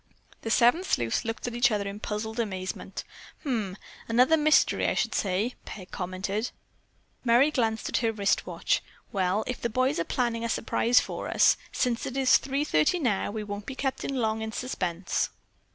'" The seven sleuths looked at each other in puzzled amazement. "Hum! Another mystery, I should say," Peg commented. Merry glanced at her wrist watch. "Well, if the boys are planning a surprise for us, since it is three thirty now, we won't be kept long in suspense."